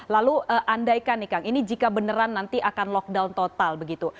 lalu andaikan nih kang ini jika beneran nanti akan lockdown total begitu